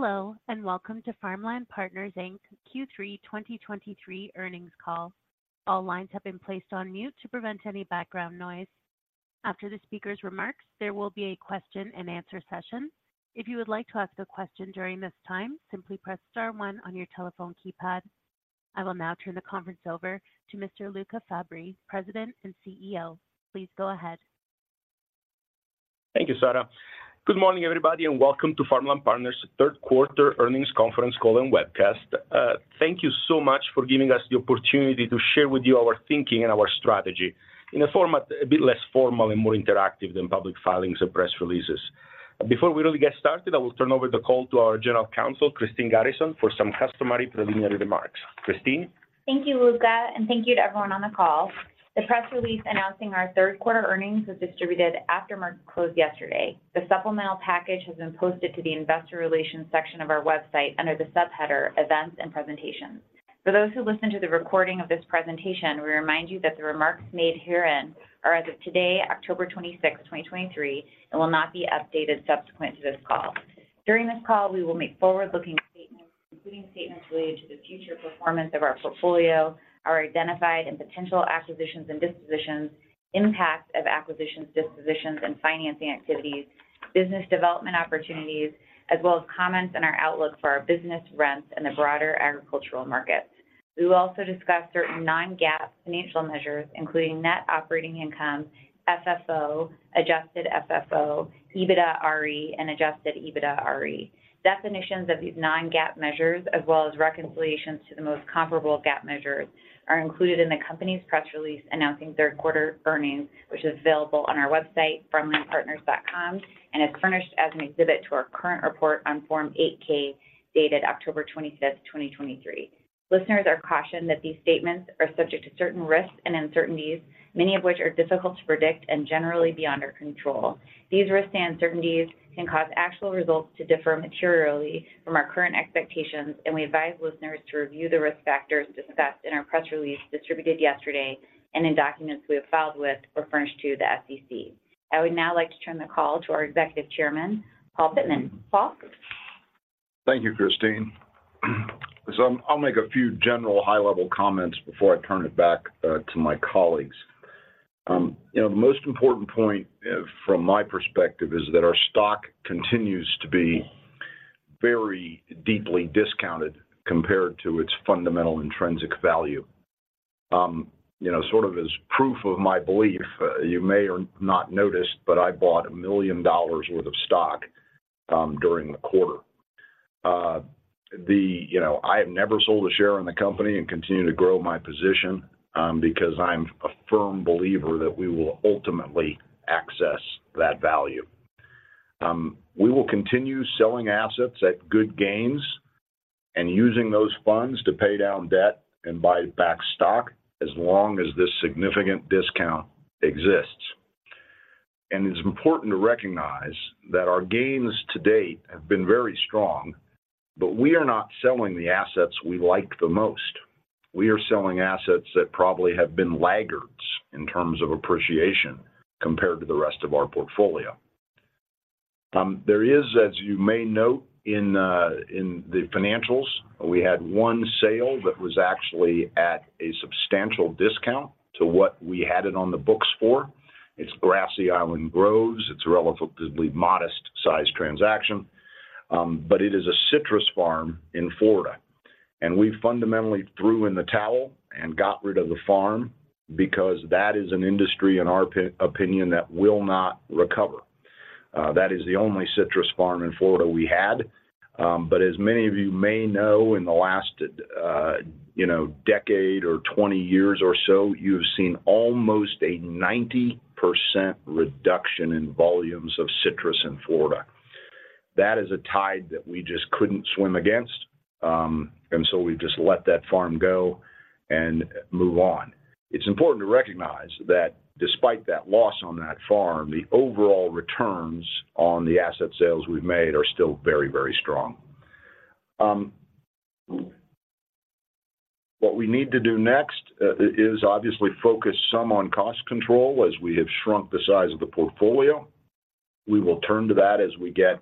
Hello, and welcome to Farmland Partners Inc.'s Q3 2023 Earnings Call. All lines have been placed on mute to prevent any background noise. After the speaker's remarks, there will be a question and answer session. If you would like to ask a question during this time, simply press star one on your telephone keypad. I will now turn the conference over to Mr. Luca Fabbri, President and CEO. Please go ahead. Thank you, Sarah. Good morning, everybody, and welcome to Farmland Partners' Q3 Earnings Conference Call and Webcast. Thank you so much for giving us the opportunity to share with you our thinking and our strategy in a format a bit less formal and more interactive than public filings or press releases. Before we really get started, I will turn over the call to our General Counsel, Christine Garrison, for some customary preliminary remarks. Christine? Thank you, Luca, and thank you to everyone on the call. The press release announcing our Q3 earnings was distributed after market closed yesterday. The supplemental package has been posted to the Investor Relations section of our website under the subheader Events and Presentations. For those who listen to the recording of this presentation, we remind you that the remarks made herein are as of today, October 26, 2023, and will not be updated subsequent to this call. During this call, we will make forward-looking statements, including statements related to the future performance of our portfolio, our identified and potential acquisitions and dispositions, impact of acquisitions, dispositions, and financing activities, business development opportunities, as well as comments on our outlook for our business rents and the broader agricultural markets. We will also discuss certain non-GAAP financial measures, including net operating income, FFO, adjusted FFO, EBITDAARe, and adjusted EBITDAARe. Definitions of these non-GAAP measures, as well as reconciliations to the most comparable GAAP measures, are included in the company's press release announcing Q3 earnings, which is available on our website, farmlandpartners.com, and is furnished as an exhibit to our current report on Form 8-K, dated October 25, 2023. Listeners are cautioned that these statements are subject to certain risks and uncertainties, many of which are difficult to predict and generally beyond our control. These risks and uncertainties can cause actual results to differ materially from our current expectations, and we advise listeners to review the risk factors discussed in our press release distributed yesterday and in documents we have filed with or furnished to the SEC. I would now like to turn the call to our Executive Chairman, Paul Pittman. Paul? Thank you, Christine. So I'll make a few general high-level comments before I turn it back to my colleagues. You know, the most important point from my perspective is that our stock continues to be very deeply discounted compared to its fundamental intrinsic value. You know, sort of as proof of my belief, you may or not noticed, but I bought $1 million worth of stock during the quarter. You know, I have never sold a share in the company and continue to grow my position because I'm a firm believer that we will ultimately access that value. We will continue selling assets at good gains and using those funds to pay down debt and buy back stock as long as this significant discount exists. And it's important to recognize that our gains to date have been very strong, but we are not selling the assets we like the most. We are selling assets that probably have been laggards in terms of appreciation compared to the rest of our portfolio. There is, as you may note in the financials, we had one sale that was actually at a substantial discount to what we had it on the books for. It's Grassy Island Groves. It's a relatively modest size transaction, but it is a citrus farm in Florida, and we fundamentally threw in the towel and got rid of the farm because that is an industry, in our opinion, that will not recover. That is the only citrus farm in Florida we had. But as many of you may know, in the last, you know, decade or 20 years or so, you've seen almost a 90% reduction in volumes of citrus in Florida. That is a tide that we just couldn't swim against, and so we've just let that farm go and move on. It's important to recognize that despite that loss on that farm, the overall returns on the asset sales we've made are still very, very strong. What we need to do next is obviously focus some on cost control as we have shrunk the size of the portfolio. We will turn to that as we get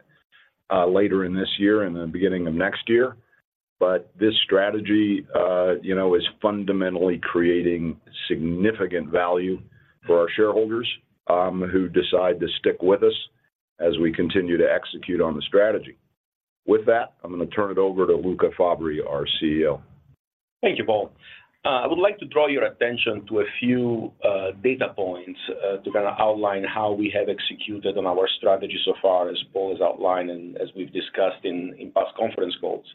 later in this year and the beginning of next year. But this strategy, you know, is fundamentally creating significant value for our shareholders, who decide to stick with us as we continue to execute on the strategy. With that, I'm gonna turn it over to Luca Fabbri, our CEO. Thank you, Paul. I would like to draw your attention to a few data points to kind of outline how we have executed on our strategy so far, as Paul has outlined and as we've discussed in past conference calls.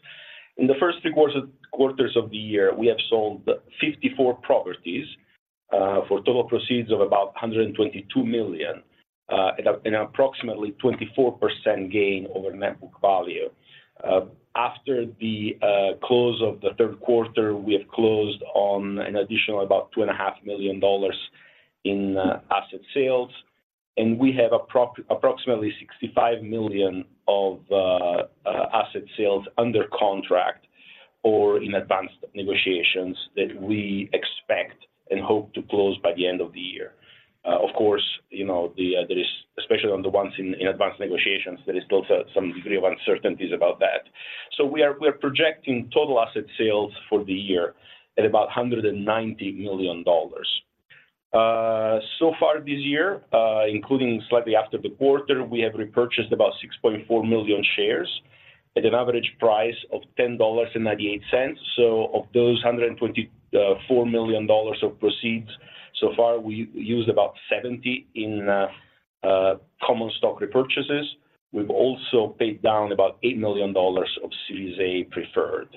In the first three quarters of the year, we have sold 54 properties for total proceeds of about $122 million at approximately 24% gain over net book value. After the close of the Q3, we have closed on an additional about $2.5 million in asset sales, and we have approximately $65 million of asset sales under contract or in advanced negotiations that we expect and hope to close by the end of the year. Of course, you know, there is, especially on the ones in advanced negotiations, there is still some degree of uncertainties about that. So we are projecting total asset sales for the year at about $190 million. So far this year, including slightly after the quarter, we have repurchased about 6.4 million shares at an average price of $10.98. So of those $124 million of proceeds, so far, we used about $70 million in common stock repurchases. We've also paid down about $8 million of Series A Preferred.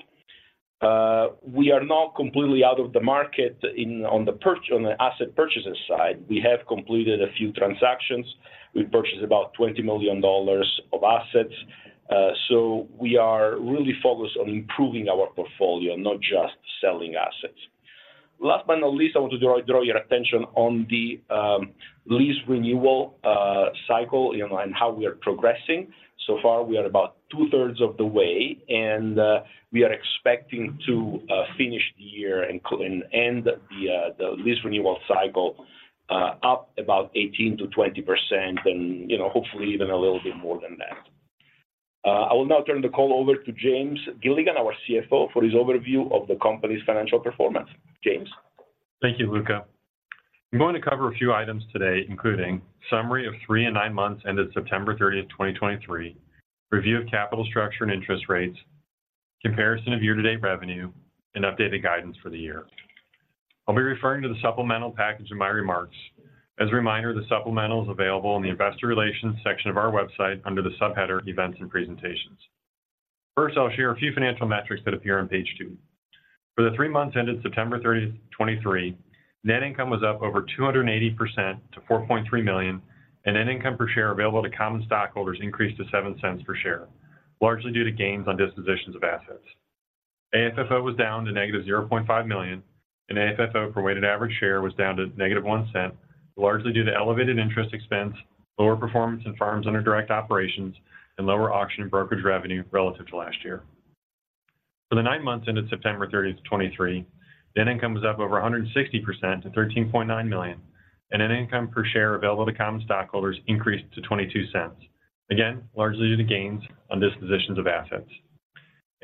We are now completely out of the market on the asset purchases side. We have completed a few transactions. We purchased about $20 million of assets, so we are really focused on improving our portfolio, not just selling assets. Last but not least, I want to draw your attention on the lease renewal cycle, you know, and how we are progressing. So far, we are about two-thirds of the way, and we are expecting to finish the year and end the lease renewal cycle up about 18%-20%, and, you know, hopefully even a little bit more than that. I will now turn the call over to James Gilligan, our CFO, for his overview of the company's financial performance. James? Thank you, Luca. I'm going to cover a few items today, including summary of three and nine months ended September 30, 2023, review of capital structure and interest rates, comparison of year-to-date revenue, and updated guidance for the year. I'll be referring to the supplemental package in my remarks. As a reminder, the supplemental is available in the investor relations section of our website under the subheader Events and Presentations. First, I'll share a few financial metrics that appear on page two. For the three months ended September 30, 2023, net income was up over 280% to $4.3 million, and net income per share available to common stockholders increased to $0.07 per share, largely due to gains on dispositions of assets. AFFO was down to -$0.5 million, and AFFO per weighted average share was down to -$0.01, largely due to elevated interest expense, lower performance in farms under direct operations, and lower auction and brokerage revenue relative to last year. For the nine months ended September 30, 2023, net income was up over 160% to $13.9 million, and net income per share available to common stockholders increased to $0.22. Again, largely due to gains on dispositions of assets.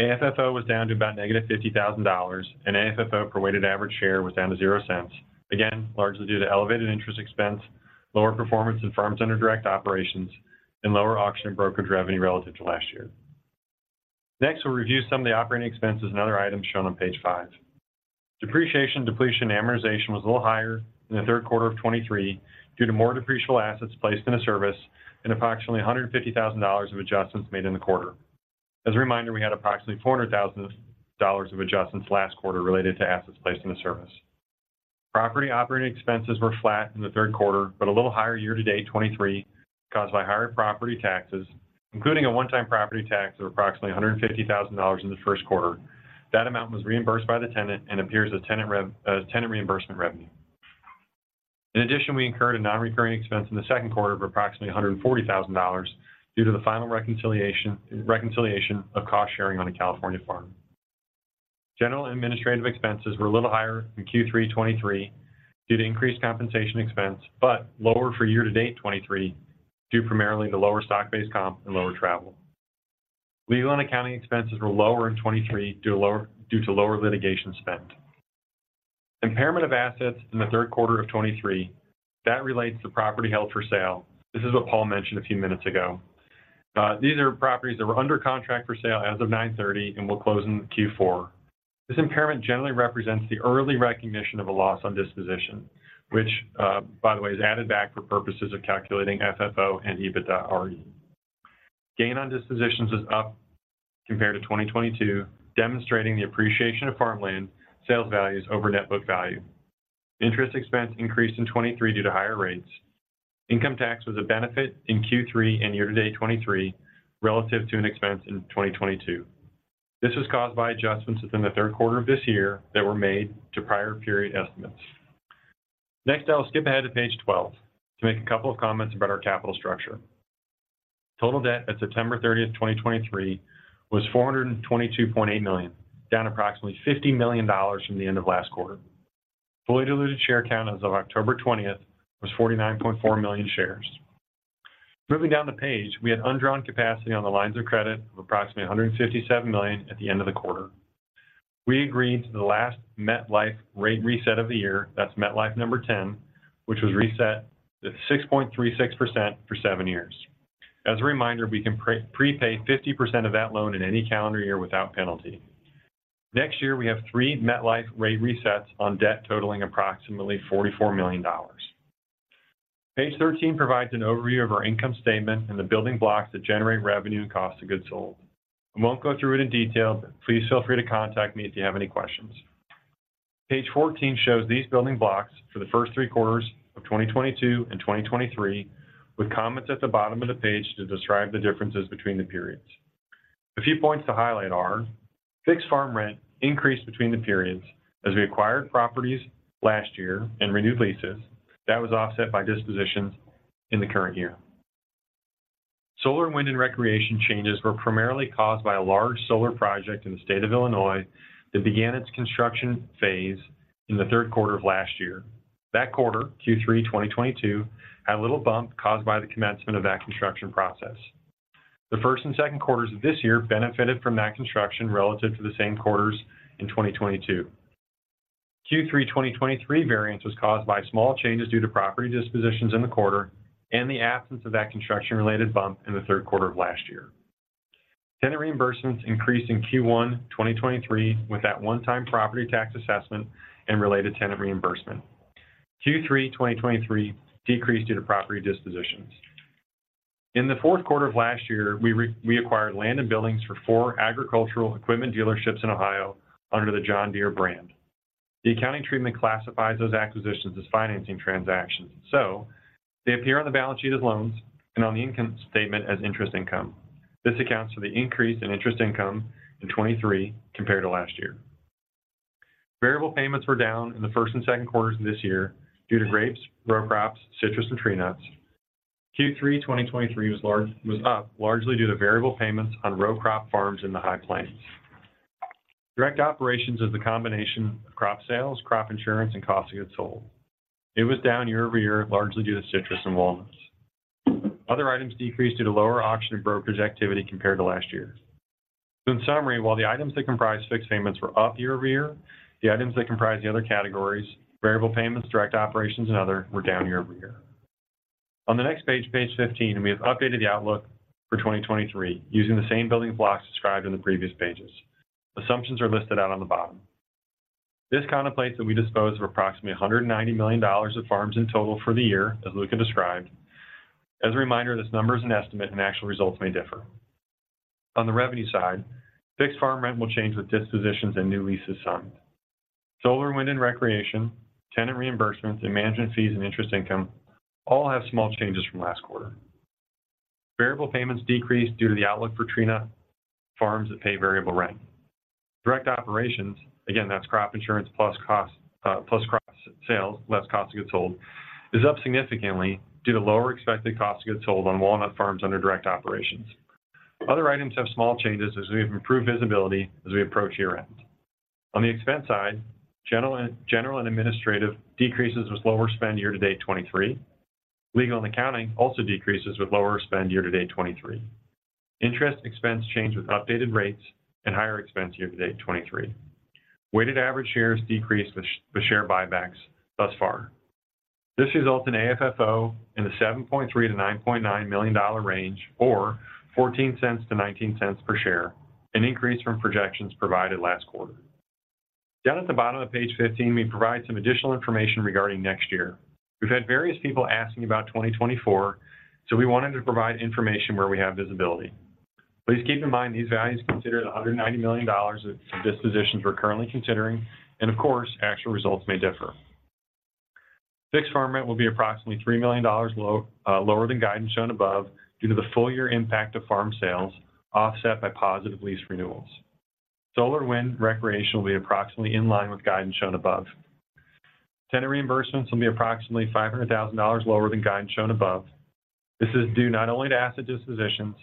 AFFO was down to about -$50,000, and AFFO per weighted average share was down to $0.00. Again, largely due to elevated interest expense, lower performance in farms under direct operations, and lower auction and brokerage revenue relative to last year. Next, we'll review some of the operating expenses and other items shown on page five. Depreciation, depletion, and amortization was a little higher in the Q3 of 2023 due to more depreciable assets placed in service and approximately $150,000 of adjustments made in the quarter. As a reminder, we had approximately $400,000 of adjustments last quarter related to assets placed in service. Property operating expenses were flat in the Q3, but a little higher year-to-date 2023, caused by higher property taxes, including a one-time property tax of approximately $150,000 in the Q1. That amount was reimbursed by the tenant and appears as tenant rev-- as tenant reimbursement revenue. In addition, we incurred a non-recurring expense in the second quarter of approximately $140,000 due to the final reconciliation, reconciliation of cost sharing on a California farm. General administrative expenses were a little higher in Q3 2023 due to increased compensation expense, but lower for year-to-date 2023, due primarily to lower stock-based comp and lower travel. Legal and accounting expenses were lower in 2023 due to lower, due to lower litigation spend. Impairment of assets in the Q3 of 2023, that relates to property held for sale. This is what Paul mentioned a few minutes ago. These are properties that were under contract for sale as of 9/30 and will close in Q4. This impairment generally represents the early recognition of a loss on disposition, which, by the way, is added back for purposes of calculating FFO and EBITDAre. Gain on dispositions is up compared to 2022, demonstrating the appreciation of farmland sales values over net book value. Interest expense increased in 2023 due to higher rates. Income tax was a benefit in Q3 and year-to-date 2023, relative to an expense in 2022. This was caused by adjustments within the third quarter of this year that were made to prior period estimates. Next, I'll skip ahead to page 12 to make a couple of comments about our capital structure. Total debt at September 30, 2023, was $422.8 million, down approximately $50 million from the end of last quarter. Fully diluted share count as of October 20, 2023, was 49.4 million shares. Moving down the page, we had undrawn capacity on the lines of credit of approximately $157 million at the end of the quarter. We agreed to the last MetLife rate reset of the year. That's MetLife number ten, which was reset to 6.36% for seven years. As a reminder, we can prepay 50% of that loan in any calendar year without penalty. Next year, we have three MetLife rate resets on debt totaling approximately $44 million. Page 13 provides an overview of our income statement and the building blocks that generate revenue and cost of goods sold. I won't go through it in detail, but please feel free to contact me if you have any questions. Page 14 shows these building blocks for the first three quarters of 2022 and 2023, with comments at the bottom of the page to describe the differences between the periods. A few points to highlight are: fixed farm rent increased between the periods as we acquired properties last year and renewed leases. That was offset by dispositions in the current year. Solar and wind and recreation changes were primarily caused by a large solar project in the state of Illinois that began its construction phase in the Q3 of last year. That quarter, Q3 2022, had a little bump caused by the commencement of that construction process. The Q1 and Q2 of this year benefited from that construction relative to the same quarters in 2022. Q3 2023 variance was caused by small changes due to property dispositions in the quarter and the absence of that construction-related bump in the Q3 of last year. Tenant reimbursements increased in Q1 2023, with that one-time property tax assessment and related tenant reimbursement. Q3 2023 decreased due to property dispositions. In the Q4 of last year, we acquired land and buildings for four agricultural equipment dealerships in Ohio under the John Deere brand. The accounting treatment classifies those acquisitions as financing transactions, so they appear on the balance sheet as loans and on the income statement as interest income. This accounts for the increase in interest income in 2023 compared to last year. Variable payments were down in the Q1 and Q2 of this year due to grapes, row crops, citrus, and tree nuts. Q3 2023 was up, largely due to variable payments on row crop farms in the High Plains. Direct operations is the combination of crop sales, crop insurance, and cost to goods sold. It was down year-over-year, largely due to citrus and walnuts. Other items decreased due to lower auction and brokerage activity compared to last year. In summary, while the items that comprised fixed payments were up year-over-year, the items that comprised the other categories, variable payments, direct operations, and other, were down year-over-year. On the next page, page 15, we have updated the outlook for 2023 using the same building blocks described in the previous pages. Assumptions are listed out on the bottom. This contemplates that we dispose of approximately $190 million of farms in total for the year, as Luca described. As a reminder, this number is an estimate, and actual results may differ. On the revenue side, fixed farm rent will change with dispositions and new leases signed. Solar, wind, and recreation, tenant reimbursements, and management fees, and interest income all have small changes from last quarter. Variable payments decreased due to the outlook for tree nut farms that pay variable rent. Direct operations, again, that's crop insurance plus costs, plus crop sales, less cost to get sold, is up significantly due to lower expected cost to get sold on walnut farms under direct operations. Other items have small changes as we have improved visibility as we approach year-end. On the expense side, general and administrative decreases with lower spend year to date 2023. Legal and accounting also decreases with lower spend year to date 2023. Interest expense change with updated rates and higher expense year to date 2023. Weighted average shares decreased with share buybacks thus far. This results in AFFO in the $7.3 million-$9.9 million range, or $0.14-$0.19 per share, an increase from projections provided last quarter. Down at the bottom of page 15, we provide some additional information regarding next year. We've had various people asking about 2024, so we wanted to provide information where we have visibility. Please keep in mind these values consider the $190 million of dispositions we're currently considering, and of course, actual results may differ. Fixed farm rent will be approximately $3 million low, lower than guidance shown above, due to the full year impact of farm sales offset by positive lease renewals. Solar, wind, recreation will be approximately in line with guidance shown above. Tenant reimbursements will be approximately $500,000 lower than guidance shown above. This is due not only to asset dispositions,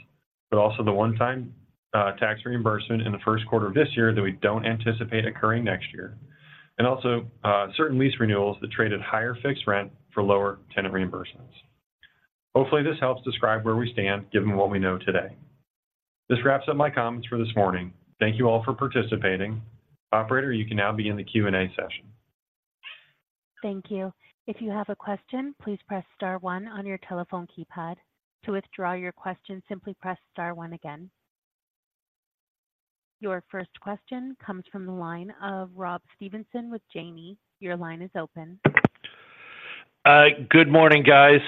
but also the one-time, tax reimbursement in the Q1 of this year that we don't anticipate occurring next year, and also, certain lease renewals that traded higher fixed rent for lower tenant reimbursements. Hopefully, this helps describe where we stand, given what we know today. This wraps up my comments for this morning. Thank you all for participating. Operator, you can now begin the Q&A session. Thank you. If you have a question, please press star one on your telephone keypad. To withdraw your question, simply press star one again. Your first question comes from the line of Rob Stevenson with Janney. Your line is open. Good morning, guys.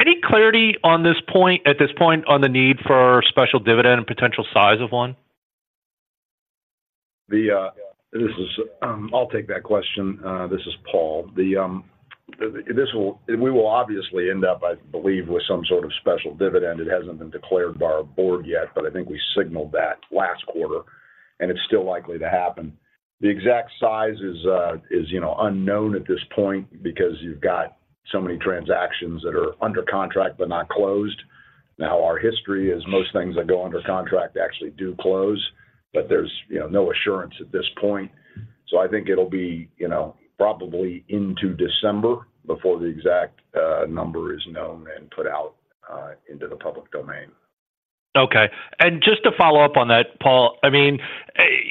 Any clarity on this point, at this point on the need for special dividend and potential size of one? This is Paul. We will obviously end up, I believe, with some sort of special dividend. It hasn't been declared by our board yet, but I think we signaled that last quarter, and it's still likely to happen. The exact size is, you know, unknown at this point because you've got so many transactions that are under contract but not closed. Now, our history is most things that go under contract actually do close, but there's, you know, no assurance at this point. So I think it'll be, you know, probably into December before the exact number is known and put out into the public domain. Okay, and just to follow up on that, Paul, I mean,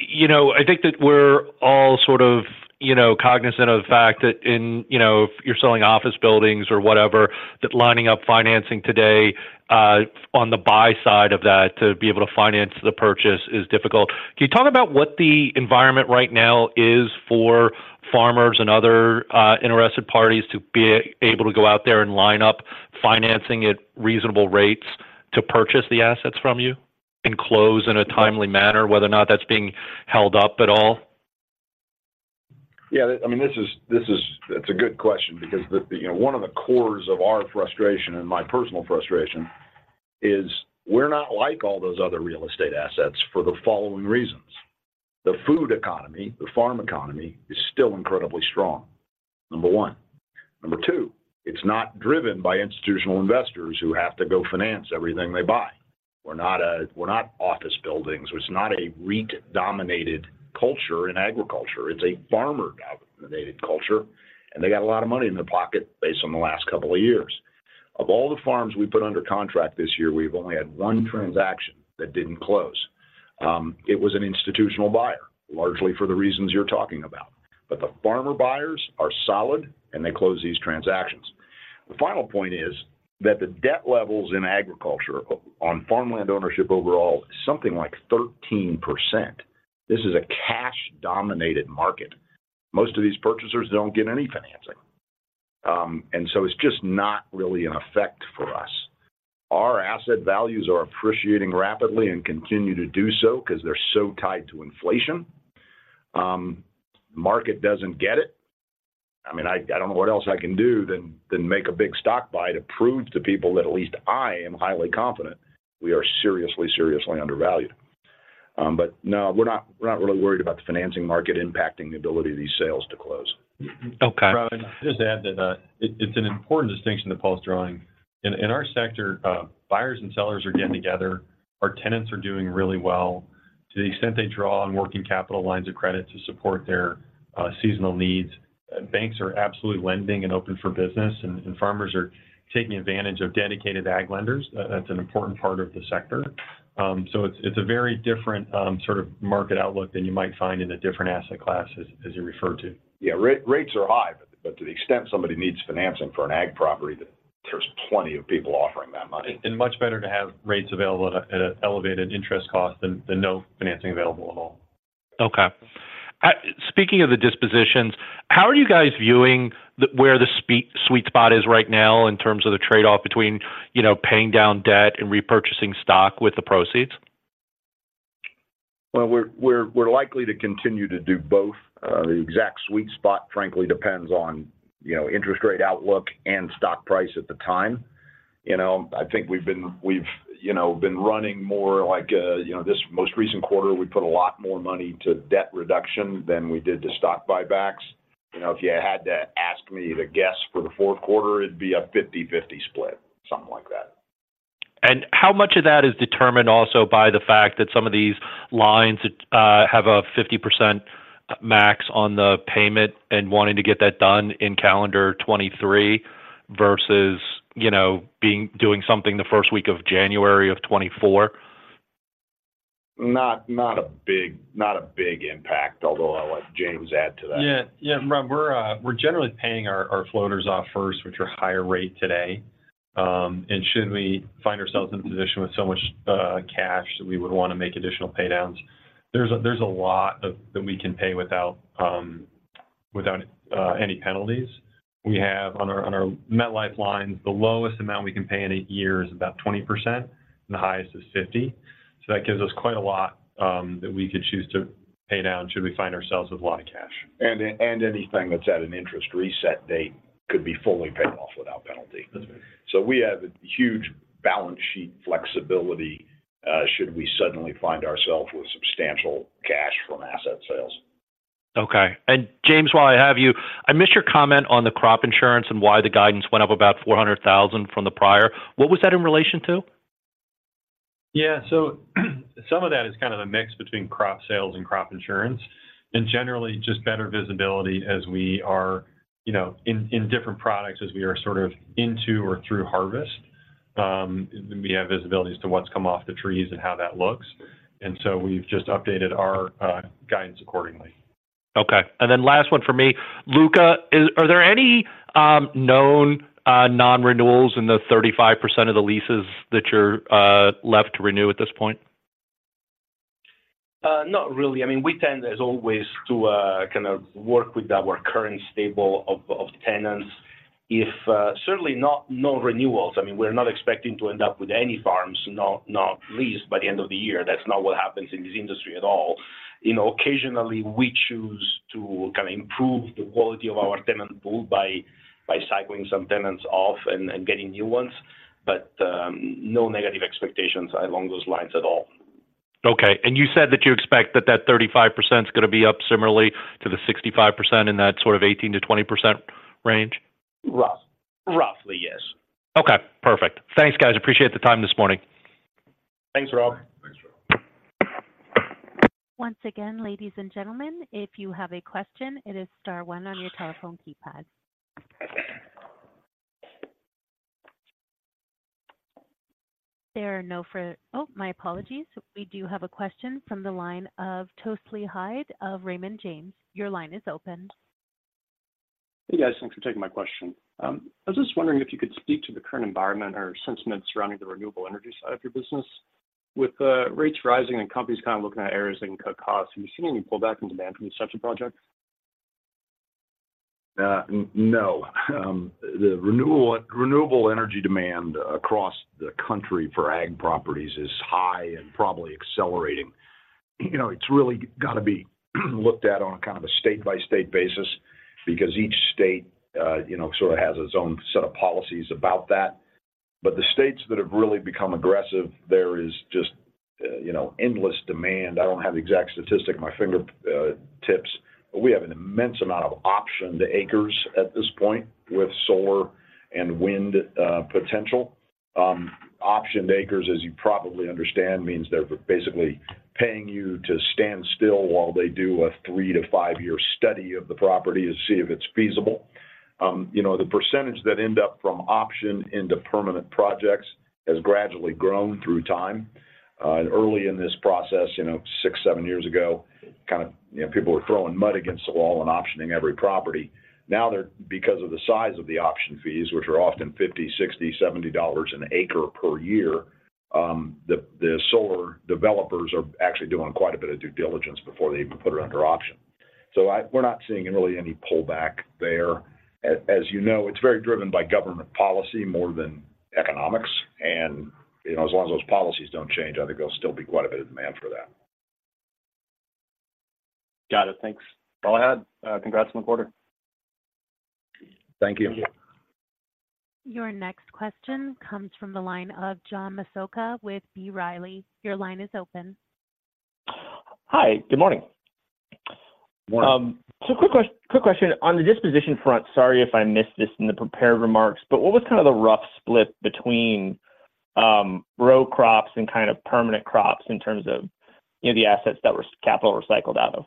you know, I think that we're all sort of, you know, cognizant of the fact that in... You know, if you're selling office buildings or whatever, that lining up financing today on the buy side of that, to be able to finance the purchase is difficult. Can you talk about what the environment right now is for farmers and other interested parties to be able to go out there and line up financing at reasonable rates to purchase the assets from you and close in a timely manner, whether or not that's being held up at all? Yeah, I mean, this is, this is, it's a good question because, you know, one of the cores of our frustration and my personal frustration is we're not like all those other real estate assets for the following reasons. The food economy, the farm economy, is still incredibly strong, number one. Number two, it's not driven by institutional investors who have to go finance everything they buy. We're not a, we're not office buildings. It's not a REIT-dominated culture in agriculture. It's a farmer-dominated culture, and they got a lot of money in their pocket based on the last couple of years. Of all the farms we put under contract this year, we've only had one transaction that didn't close. It was an institutional buyer, largely for the reasons you're talking about. The farmer buyers are solid, and they close these transactions. The final point is that the debt levels in agriculture, on farmland ownership overall, is something like 13%. This is a cash-dominated market. Most of these purchasers don't get any financing, and so it's just not really in effect for us. Our asset values are appreciating rapidly and continue to do so because they're so tied to inflation. Market doesn't get it. I mean, I, I don't know what else I can do than, than make a big stock buy to prove to people that at least I am highly confident we are seriously, seriously undervalued. But no, we're not, we're not really worried about the financing market impacting the ability of these sales to close. Okay. Rob, just add that, it's an important distinction that Paul's drawing. In our sector, buyers and sellers are getting together. Our tenants are doing really well. To the extent they draw on working capital lines of credit to support their seasonal needs, banks are absolutely lending and open for business, and farmers are taking advantage of dedicated ag lenders. That's an important part of the sector. So it's a very different sort of market outlook than you might find in a different asset class as you referred to. Yeah. Rates are high, but to the extent somebody needs financing for an ag property, then there's plenty of people offering that money. Much better to have rates available at an elevated interest cost than no financing available at all. Okay. Speaking of the dispositions, how are you guys viewing where the sweet spot is right now in terms of the trade-off between, you know, paying down debt and repurchasing stock with the proceeds? Well, we're likely to continue to do both. The exact sweet spot frankly depends on, you know, interest rate outlook and stock price at the time. You know, I think we've been, you know, running more like, you know, this most recent quarter, we put a lot more money to debt reduction than we did to stock buybacks. You know, if you had to ask me to guess for the Q4, it'd be a 50/50 split, something like that. How much of that is determined also by the fact that some of these lines have a 50% max on the payment and wanting to get that done in calendar 2023 versus, you know, doing something the first week of January 2024? Not a big impact, although I'll let James add to that. Yeah. Yeah, Rob, we're, we're generally paying our, our floaters off first, which are higher rate today. And should we find ourselves in a position with so much, cash that we would want to make additional paydowns, there's a, there's a lot of, that we can pay without, without, any penalties. We have on our, on our MetLife lines, the lowest amount we can pay in a year is about 20%, and the highest is 50%. So that gives us quite a lot, that we could choose to pay down should we find ourselves with a lot of cash. Anything that's at an interest reset date could be fully paid off without penalty. That's right. So we have a huge balance sheet flexibility, should we suddenly find ourselves with substantial cash from asset sales. Okay. James, while I have you, I missed your comment on the crop insurance and why the guidance went up about $400,000 from the prior. What was that in relation to? Yeah, so some of that is kind of a mix between crop sales and crop insurance, and generally just better visibility as we are, you know, in different products, as we are sort of into or through harvest. We have visibility as to what's come off the trees and how that looks, and so we've just updated our guidance accordingly. Okay. And then last one for me. Luca, are there any known non-renewals in the 35% of the leases that you're left to renew at this point? Not really. I mean, we tend, as always, to kind of work with our current stable of tenants. If certainly not no renewals, I mean, we're not expecting to end up with any farms not leased by the end of the year. That's not what happens in this industry at all. You know, occasionally we choose to kind of improve the quality of our tenant pool by cycling some tenants off and getting new ones, but no negative expectations along those lines at all. Okay. And you said that you expect that that 35% is gonna be up similarly to the 65% in that sort of 18%-20% range? Roughly, yes. Okay, perfect. Thanks, guys. Appreciate the time this morning. Thanks, Rob. Thanks, Rob. Once again, ladies and gentlemen, if you have a question, it is star one on your telephone keypad. Oh, my apologies. We do have a question from the line of Tousley Hyde of Raymond James. Your line is open. Hey, guys. Thanks for taking my question. I was just wondering if you could speak to the current environment or sentiment surrounding the renewable energy side of your business. With rates rising and companies kind of looking at areas they can cut costs, have you seen any pullback in demand from these types of projects? No. The renewable energy demand across the country for AG properties is high and probably accelerating. You know, it's really gotta be looked at on a kind of a state-by-state basis because each state, you know, sort of has its own set of policies about that. But the states that have really become aggressive, there is just, you know, endless demand. I don't have the exact statistic at my fingertips, but we have an immense amount of optioned acres at this point with solar and wind potential. Optioned acres, as you probably understand, means they're basically paying you to stand still while they do a three to five year study of the property to see if it's feasible. You know, the percentage that end up from option into permanent projects has gradually grown through time. And early in this process, you know, six, seven years ago, kind of, you know, people were throwing mud against the wall and optioning every property. Now they're—because of the size of the option fees, which are often $50, $60, $70 an acre per year, the solar developers are actually doing quite a bit of due diligence before they even put it under option. So I—we're not seeing really any pullback there. As you know, it's very driven by government policy more than economics, and, you know, as long as those policies don't change, I think there'll still be quite a bit of demand for that. Got it. Thanks. All I had. Congrats on the quarter. Thank you. Your next question comes from the line of John Masoka with B. Riley. Your line is open. Hi. Good morning. Morning. Quick question. On the disposition front, sorry if I missed this in the prepared remarks, but what was kind of the rough split between row crops and kind of permanent crops in terms of the assets that were capital recycled out of?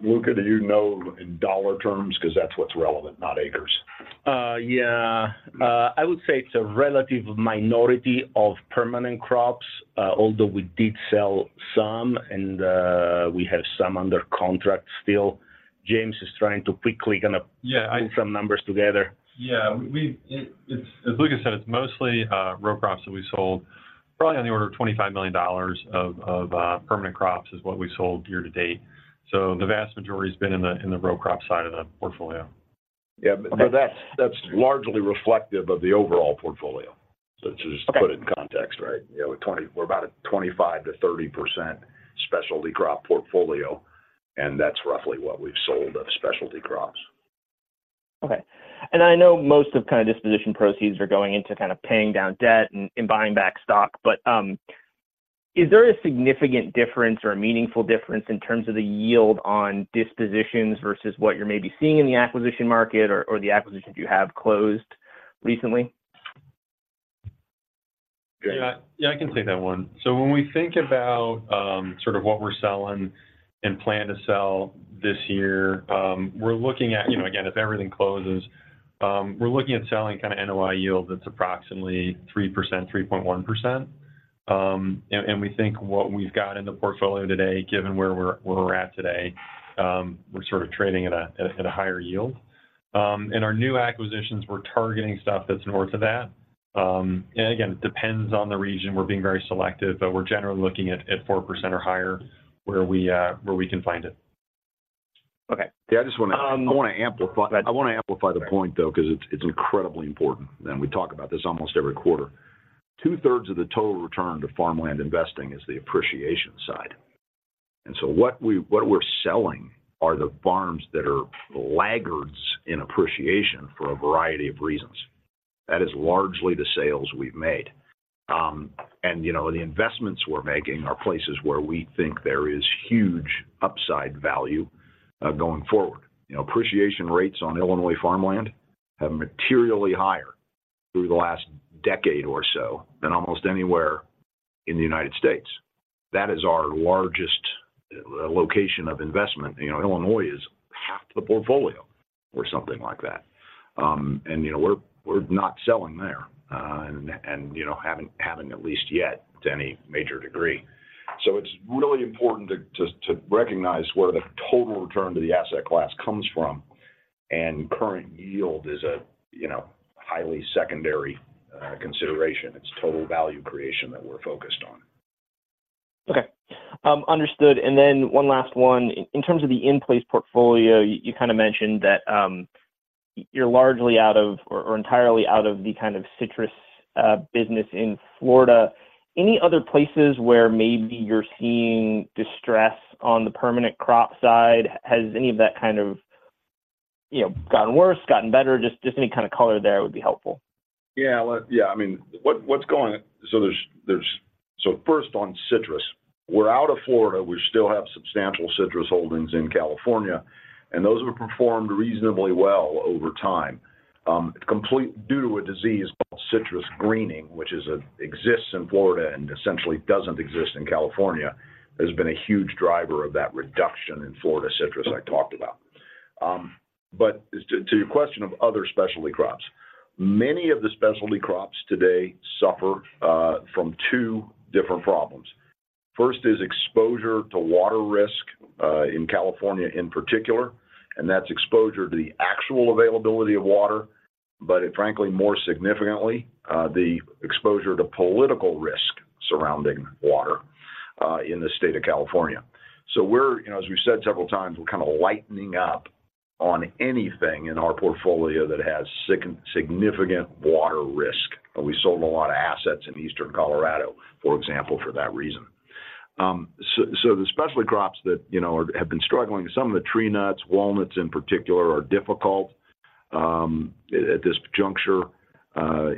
Luca, do you know in dollar terms? Because that's what's relevant, not acres. Yeah. I would say it's a relative minority of permanent crops, although we did sell some, and we have some under contract still. James is trying to quickly kind of- Yeah, I- Pull some numbers together. Yeah, it's... As Luca said, it's mostly row crops that we sold. Probably on the order of $25 million of permanent crops is what we sold year to date. So the vast majority has been in the row crop side of the portfolio. Yeah, but that's, that's largely reflective of the overall portfolio, just to put it in context, right? Okay. You know, we're about a 25%-30% specialty crop portfolio, and that's roughly what we've sold of specialty crops. Okay. And I know most of kind of disposition proceeds are going into kind of paying down debt and, and buying back stock, but, is there a significant difference or a meaningful difference in terms of the yield on dispositions versus what you're maybe seeing in the acquisition market or, or the acquisitions you have closed recently? Yeah. Yeah, I can take that one. So when we think about sort of what we're selling and plan to sell this year, we're looking at, you know, again, if everything closes, we're looking at selling kind of NOI yield that's approximately 3%, 3.1%. And we think what we've got in the portfolio today, given where we're at today, we're sort of trading at a higher yield. And our new acquisitions, we're targeting stuff that's north of that. And again, it depends on the region. We're being very selective, but we're generally looking at 4% or higher where we can find it. Okay. Yeah, I just wanna, I wanna amplify- But- I wanna amplify the point, though, 'cause it's incredibly important, and we talk about this almost every quarter. Two-thirds of the total return to farmland investing is the appreciation side. So what we're selling are the farms that are laggards in appreciation for a variety of reasons. That is largely the sales we've made. And, you know, the investments we're making are places where we think there is huge upside value going forward. You know, appreciation rates on Illinois farmland have materially higher through the last decade or so than almost anywhere in the United States. That is our largest location of investment. You know, Illinois is half the portfolio or something like that. And, you know, we're not selling there, and, you know, haven't at least yet to any major degree. So it's really important to recognize where the total return to the asset class comes from, and current yield is a, you know, highly secondary consideration. It's total value creation that we're focused on. Okay. Understood. And then one last one. In terms of the in-place portfolio, you kind of mentioned that you're largely out of or entirely out of the kind of citrus business in Florida. Any other places where maybe you're seeing distress on the permanent crop side? Has any of that kind of, you know, gotten worse, gotten better? Just any kind of color there would be helpful. Yeah, let... Yeah, I mean, what, what's going on? There's, there's-- first, on citrus, we're out of Florida. We still have substantial citrus holdings in California, and those have performed reasonably well over time. Complete-- due to a disease called citrus greening, which is a-- exists in Florida and essentially doesn't exist in California, has been a huge driver of that reduction in Florida citrus I talked about. To your question of other specialty crops, many of the specialty crops today suffer from two different problems. First is exposure to water risk in California in particular, and that's exposure to the actual availability of water, but frankly, more significantly, the exposure to political risk surrounding water in the state of California. We're, you know, as we've said several times, we're kind of lightening up on anything in our portfolio that has significant water risk. We sold a lot of assets in eastern Colorado, for example, for that reason. The specialty crops that, you know, are-- have been struggling, some of the tree nuts, walnuts in particular, are difficult at this juncture.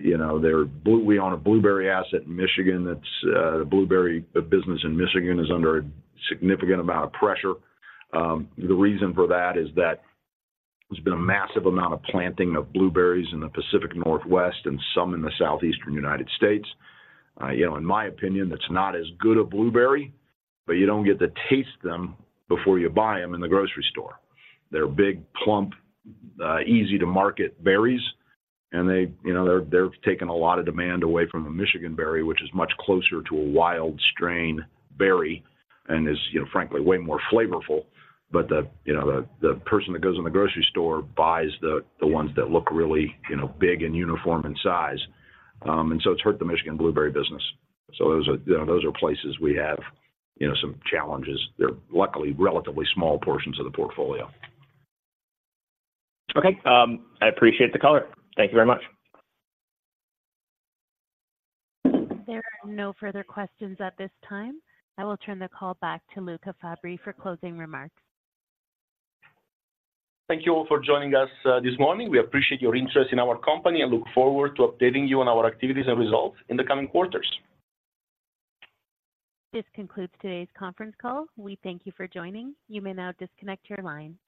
You know, we own a blueberry asset in Michigan. That's-- the blueberry business in Michigan is under a significant amount of pressure. The reason for that is that there's been a massive amount of planting of blueberries in the Pacific Northwest and some in the southeastern United States. You know, in my opinion, that's not as good a blueberry, but you don't get to taste them before you buy them in the grocery store. They're big, plump, easy to market berries, and they, you know, they're taking a lot of demand away from a Michigan berry, which is much closer to a wild strain berry and is, you know, frankly, way more flavorful. But the, you know, the person that goes in the grocery store buys the ones that look really, you know, big and uniform in size. And so it's hurt the Michigan blueberry business. So those are, you know, places we have, you know, some challenges. They're luckily relatively small portions of the portfolio. Okay. I appreciate the color. Thank you very much. There are no further questions at this time. I will turn the call back to Luca Fabbri for closing remarks. Thank you all for joining us this morning. We appreciate your interest in our company and look forward to updating you on our activities and results in the coming quarters. This concludes today's conference call. We thank you for joining. You may now disconnect your line.